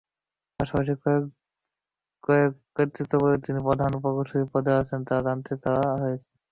পাশাপাশি কোন কর্তৃত্ববলে তিনি প্রধান প্রকৌশলীর পদে আছেন, তা-ও জানতে চাওয়া হয়েছে।